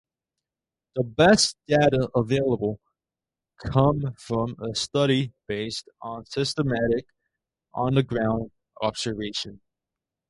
The best data available come from a study based on systematic, on-the-ground observation.